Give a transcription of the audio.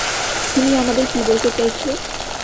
খুনি আমাদের কী বলতে চাইছে?